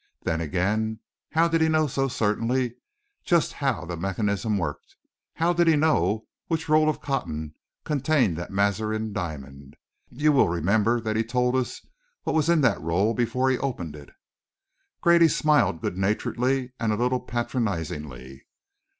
Then again, how did he know so certainly just how the mechanism worked? How did he know which roll of cotton contained that Mazarin diamond? You will remember he told us what was in that roll before he opened it." Grady smiled good naturedly and a little patronisingly.